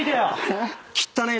えっ？